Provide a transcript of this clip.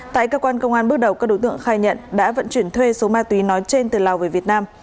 tại cơ quan công an bước đầu các đối tượng khai nhận đã vận chuyển thuê số ma túy nói trên từ lào về việt nam